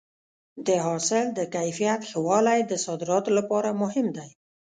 د حاصل د کیفیت ښه والی د صادراتو لپاره مهم دی.